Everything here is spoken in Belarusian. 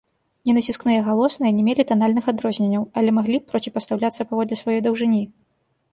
Ненаціскныя галосныя не мелі танальных адрозненняў, але маглі проціпастаўляцца паводле сваёй даўжыні.